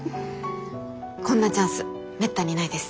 こんなチャンスめったにないです。